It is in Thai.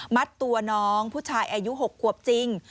มัดตัวน้องผู้ชายอายุ๖ขวบจริง